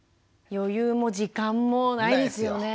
余裕も時間もないですよね。